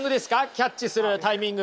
キャッチするタイミング。